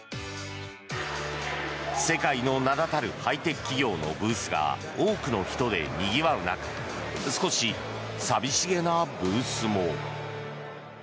世界の名立たるハイテク企業のブースが多くの人でにぎわう中少し寂しげなブースも。